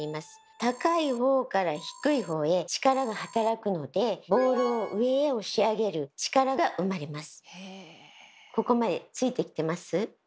高いほうから低いほうへ力が働くのでボールを上へ押し上げる力が生まれます。